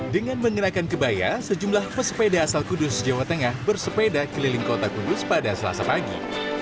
dengan mengenakan kebaya sejumlah pesepeda asal kudus jawa tengah bersepeda keliling kota kudus pada selasa pagi